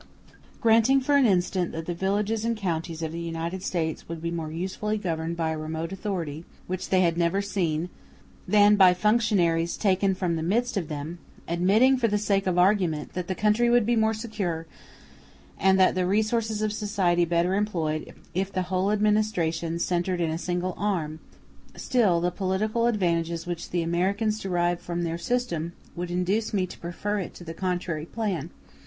] Granting for an instant that the villages and counties of the United States would be more usefully governed by a remote authority which they had never seen than by functionaries taken from the midst of them—admitting, for the sake of argument, that the country would be more secure, and the resources of society better employed, if the whole administration centred in a single arm—still the political advantages which the Americans derive from their system would induce me to prefer it to the contrary plan.